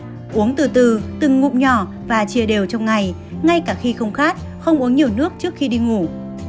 nước uống từ từ từng ngụm nhỏ và chia đều trong ngày ngay cả khi không khát không uống nhiều nước trước khi đi ngủ